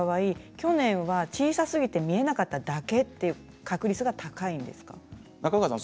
去年は小さすぎて見えなかっただけという確率が高いんですか？